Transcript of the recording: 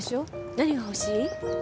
何が欲しい？